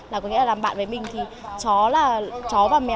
là có nghĩa là làm bạn với mình thì chó và mèo